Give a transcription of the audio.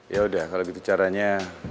yaudah kalau gitu caranya